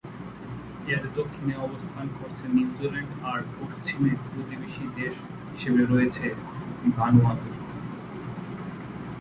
এর দক্ষিণে অবস্থান করছে নিউজিল্যান্ড আর পশ্চিমে প্রতিবেশী দেশ হিসেবে রয়েছে ভানুয়াতু।